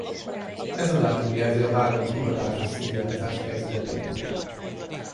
Ez a dátum jelzi a váradi hivatásos színjátszás kezdetét.